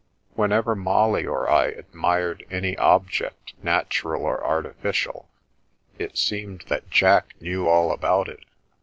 Whenever Molly or I admired any object, natural or artificial, it seemed that Jack knew all about it.